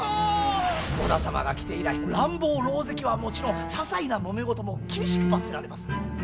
織田様が来て以来乱暴狼藉はもちろんささいなもめ事も厳しく罰せられます。